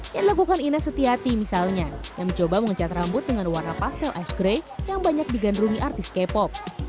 yang dilakukan ines setiati misalnya yang mencoba mengecat rambut dengan warna pastel ice gray yang banyak digandrungi artis k pop